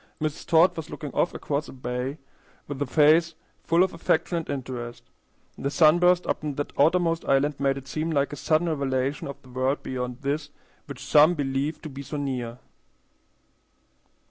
Mrs. Todd was looking off across the bay with a face full of affection and interest. The sunburst upon that outermost island made it seem like a sudden revelation of the world beyond this which some believe to be so near.